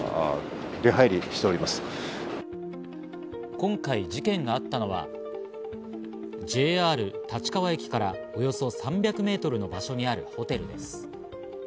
今回事件があったのは、ＪＲ立川駅からおよそ３００ｍの場所にあるホテルです。